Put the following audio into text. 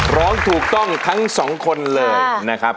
ร้องถูกต้องทั้งสองคนเลยนะครับ